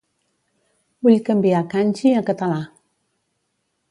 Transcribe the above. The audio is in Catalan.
Vull canviar kanji a català.